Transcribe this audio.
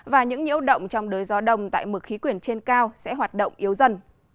và những nhiễu động trong đới gió đông tại mực khí quyển trên cao sẽ hoạt động yếu dần